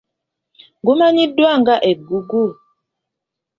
Gumanyiddwa nga eggugu.